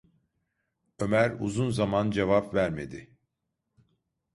Ömer uzun zaman cevap vermedi.